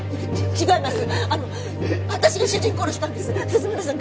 違います！